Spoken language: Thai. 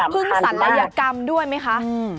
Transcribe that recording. พึงสันเนยกรรมด้วยมั้ยคะ